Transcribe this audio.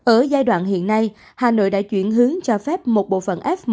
ở giai đoạn hiện nay hà nội đã chuyển hướng cho phép một bộ phận f một